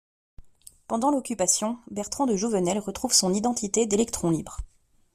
Pendant l'Occupation, Bertrand de Jouvenel retrouve son identité d'électron libre.